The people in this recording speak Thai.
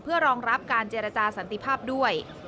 เพื่อรองรับการเจรจาสันติภาพด้วย